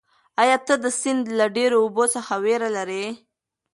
ایا ته د سیند له ډېرو اوبو څخه وېره لرې؟